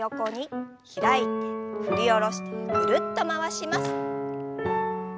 開いて振り下ろしてぐるっと回します。